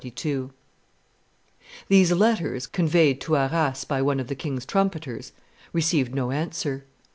] These letters, conveyed to Arras by one of the king's trumpeters, received no answer.